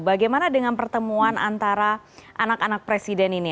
bagaimana dengan pertemuan antara anak anak presiden ini